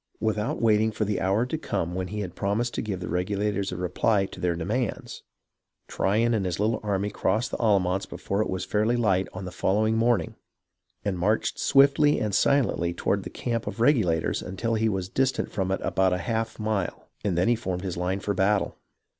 Without waiting for the hour to come when he had promised to give the Regulators a reply to their demands, Tryon and his little army crossed the Allamance before it was fairly light on the following morning, and marched swiftly and silently toward the camp of the Regulators until he was distant from it about a half mile, and then he formed his line for battle.